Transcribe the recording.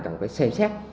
cần phải xem xét